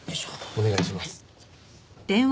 お願いします。